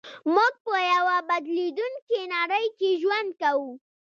موږ په يوه بدلېدونکې نړۍ کې ژوند کوو.